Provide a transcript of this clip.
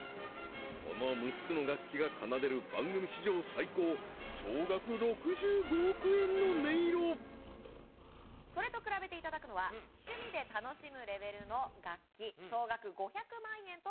この６つの楽器が奏でる番組史上最高それと比べていただくのは趣味で楽しむレベルの楽器総額５００万円となっています